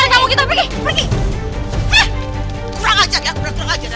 kurang ajar ya kurang ajar